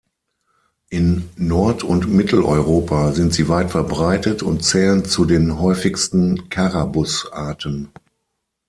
In Nord- und Mitteleuropa sind sie weit verbreitet und zählen zu den häufigsten "Carabus"-Arten.